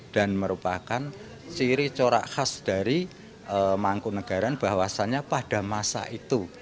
dan merupakan ciri corak khas dari mangkunegaran bahwasannya pada masa itu